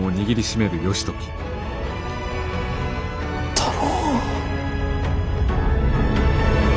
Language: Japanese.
太郎。